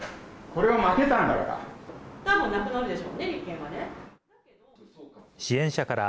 これは負けたんだから。